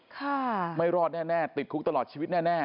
ค่ะไม่รอดแน่ติดคุกตลอดชีวิตแน่